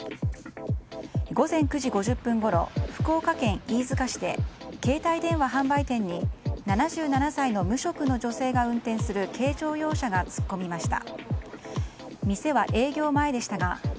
午前９時５０分ごろ福岡県飯塚市で携帯電話販売店に７７歳の無職の女性が運転する軽乗用車が突っ込みました。